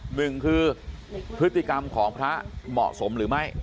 หนึ่งคือพฤติกรรมของพระเหมาะสมหรือไม่